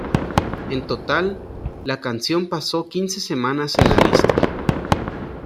En total, la canción pasó quince semanas en la lista.